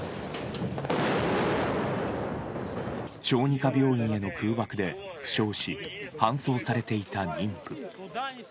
小児科病院への空爆で負傷し、搬送されていた妊婦。